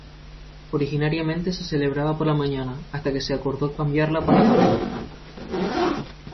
Originariamente se celebraba por la mañana, hasta que se acordó cambiarla a la tarde.